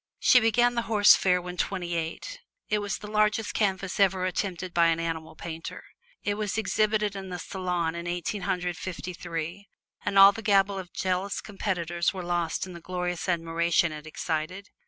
She began "The Horse Fair" when twenty eight. It was the largest canvas ever attempted by an animal painter. It was exhibited at the Salon in Eighteen Hundred Fifty three, and all the gabble of jealous competitors was lost in the glorious admiration it excited.